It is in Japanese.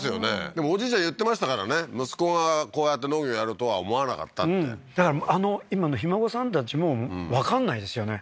でもおじいちゃん言ってましたからね息子がこうやって農業やるとは思わなかったってだから今のひ孫さんたちもわかんないですよね